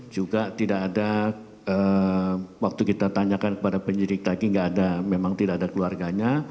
juga tidak ada waktu kita tanyakan kepada penyidik tadi memang tidak ada keluarganya